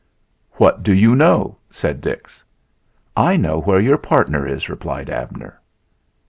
"What do you know?" said Dix. "I know where your partner is," replied Abner.